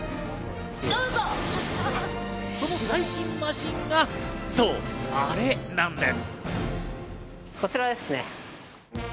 その最新マシンが、そう、あれなんです。